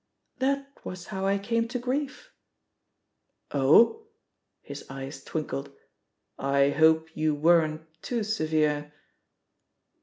"That was how I came to grief." "Oh?" His eyes twinkled. "I hope you weren't too severe?"